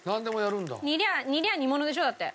煮りゃあ煮りゃあ煮物でしょ？だって。